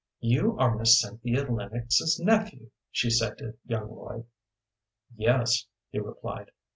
"You are Miss Cynthia Lennox's nephew," she said to young Lloyd. "Yes," he replied.